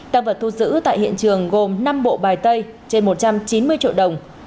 tăng vật thu giữ tại hiện trường gồm năm bộ bài tay trên một trăm chín mươi triệu đồng